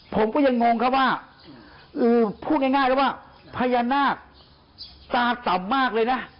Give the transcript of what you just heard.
ผมก็ยังงงครับว่าพูดง่ายแล้วว่าพญานาคตาต่ำมากเลยนะ